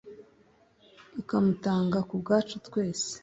ikamutanga ku bwacu twese,